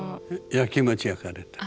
やきもち焼かれた。